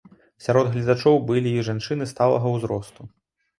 Сярод гледачоў былі і жанчыны сталага ўзросту.